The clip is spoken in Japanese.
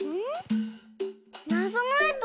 なぞのえと